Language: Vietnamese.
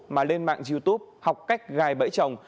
mà lên mạng youtube học cách gài bẫy chồng